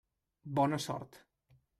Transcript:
Bona sort.